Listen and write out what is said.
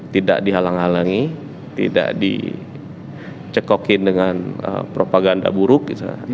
tidak dihalang halangi tidak dicekokin dengan propaganda buruk